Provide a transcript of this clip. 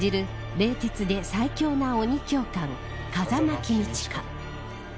冷徹で最恐な鬼教官、風間公親。